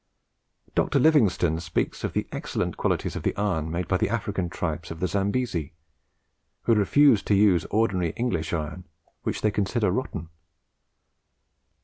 Dr. Livingstone speaks of the excellent quality of the iron made by the African tribes on the Zambesi, who refuse to use ordinary English iron, which they consider "rotten."